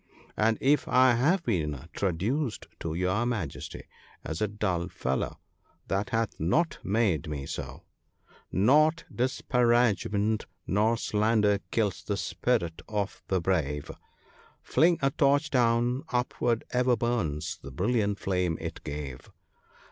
' And if I have been traduced to your Majesty as a dull fellow, that hath not made me so, —"' Not disparagement nor slander kills the spirit of the brave ; Fling a torch down, upward ever burns the brilliant flame it gave."